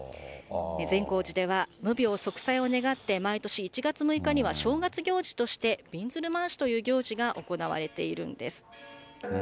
善光寺では無病息災を願って、毎年１月６日には正月行事としてびんずるまわしという行事が行われているんです。